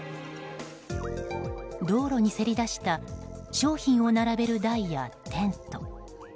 道路にせり出した商品を並べる台やテント。